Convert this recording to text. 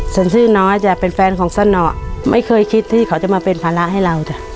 ซื้อน้อยจ้ะเป็นแฟนของสนอไม่เคยคิดที่เขาจะมาเป็นภาระให้เราจ้ะ